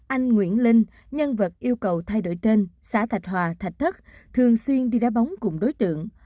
anh nguyễn linh nhân vật yêu cầu thay đổi tên xã thạch hòa thạch thất thường xuyên đi đá bóng cùng đối tượng